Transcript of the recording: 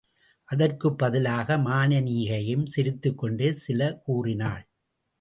அதற்குப் பதிலாக மானனீகையும் சிரித்துக்கொண்டே சில கூறினாள்.